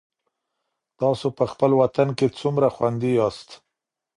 تاسو په خپل وطن کي څومره خوندي یاست؟